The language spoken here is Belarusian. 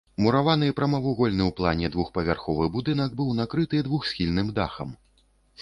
Мураваны прамавугольны ў плане двухпавярховы будынак быў накрыты двухсхільным дахам.